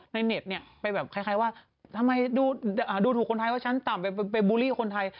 ในเน็ตไปแบบแค่ว่าทำไมดูถูกคนไทยก็ฉันตามไปบูลลี่คนไทย